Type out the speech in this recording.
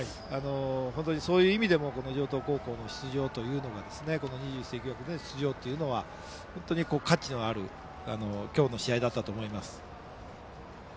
本当にそういう意味でも城東高校の２１世紀枠での出場というのは本当に価値のある今日の試合だったと思います。